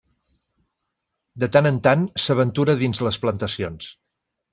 De tant en tant s'aventura dins les plantacions.